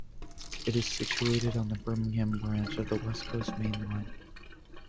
It is situated on the Birmingham branch of the West Coast Main Line.